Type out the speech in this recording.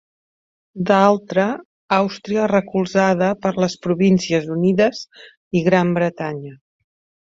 D'altra, Àustria, recolzada per les Províncies Unides i Gran Bretanya.